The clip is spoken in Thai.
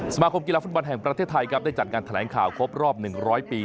สมาคมกีฬาฟุตบอลแห่งประเทศไทยครับได้จัดงานแถลงข่าวครบรอบ๑๐๐ปี